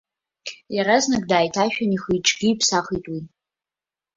Иаразнак дааиҭашәан, ихы-иҿгьы ааиԥсахит уи.